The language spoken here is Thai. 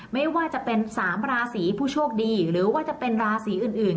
ไม่ว่าจะเป็น๓ราศีผู้โชคดีหรือว่าจะเป็นราศีอื่น